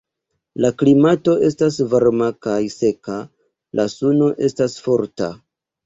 La klimato estas varma kaj seka; la suno estas forta.